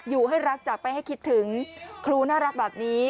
ให้รักจากไปให้คิดถึงครูน่ารักแบบนี้